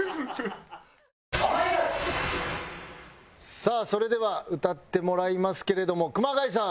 さあそれでは歌ってもらいますけれども熊谷さん